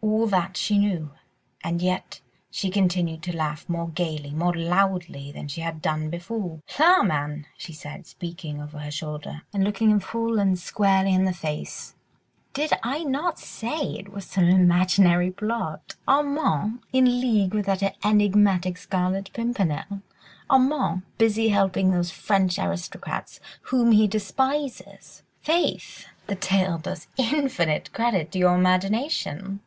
All that she knew, and yet she continued to laugh more gaily, more loudly than she had done before. "La, man!" she said, speaking over her shoulder and looking him full and squarely in the face, "did I not say it was some imaginary plot. ... Armand in league with that enigmatic Scarlet Pimpernel! ... Armand busy helping those French aristocrats whom he despises! ... Faith, the tale does infinite credit to your imagination!"